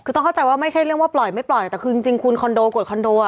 คือต้องเข้าใจว่าไม่ใช่เรื่องว่าปล่อยไม่ปล่อยแต่คือจริงคุณคอนโดกดคอนโดอ่ะ